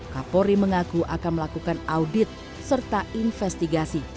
kapolri mengaku akan melakukan audit serta investigasi